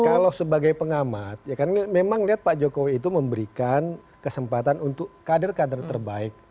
kalau sebagai pengamat ya kan memang lihat pak jokowi itu memberikan kesempatan untuk kader kader terbaik